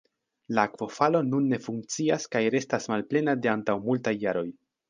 La akvofalo nun ne funkcias kaj restas malplena de antaŭ multaj jaroj.